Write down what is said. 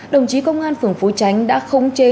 đồng chí công an phường phú tránh đã khống chế